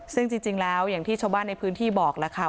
ซึ่งจริงแล้วอย่างที่ชาวบ้านในพื้นที่บอกแล้วค่ะ